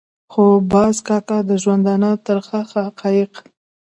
خو باز کاکا د ژوندانه ترخه حقایق.